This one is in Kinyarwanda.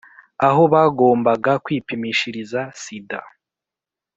aho bagombaga kwipimishiriza sida